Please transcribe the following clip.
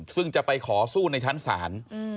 ซึ่งจะไปขอสู้ในชั้นศาล